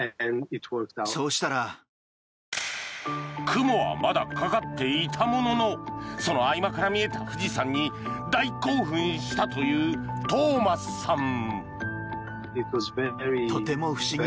雲はまだかかっていたもののその合間から見えた富士山に大興奮したというトーマスさん。